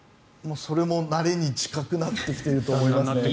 それも慣れに近くなってきていると思いますね。